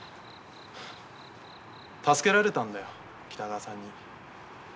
助けられたんだよ北川さんに。